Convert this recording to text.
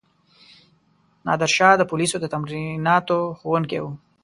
نادرشاه د پولیسو د تمریناتو ښوونکی وو.